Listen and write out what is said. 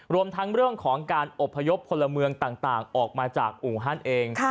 รวมทั้งเรื่องของการอบพยพพลเมืองต่างออกมาจากอู่ฮั่นเอง